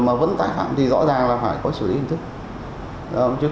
mà vẫn tái phạm thì rõ ràng là phải có xử lý hình thức